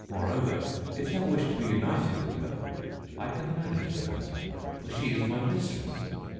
Moreover, if thou wish to be united with her, I can manage the matter, for she is my mistress."